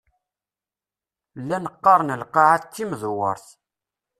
Llan qqaren lqaεa timdewwert.